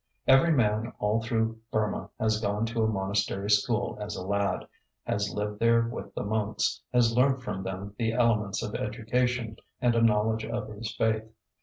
Every man all through Burma has gone to a monastery school as a lad, has lived there with the monks, has learnt from them the elements of education and a knowledge of his faith.